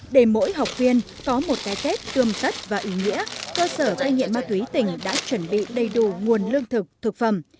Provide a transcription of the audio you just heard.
để mỗi học viên có một cái tết cơm rất và ý nghĩa cơ sở cai nghiện ma túy tỉnh đã chuẩn bị đầy đủ nguồn lương thực thực phẩm